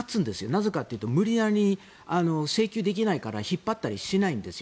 なぜかというと無理やり請求できないから引っ張ったりしないんです。